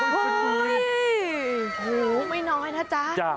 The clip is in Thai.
โหไม่น้อยนะจ๊ะ